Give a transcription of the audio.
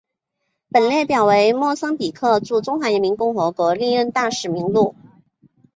本列表为莫桑比克驻中华人民共和国历任大使名录。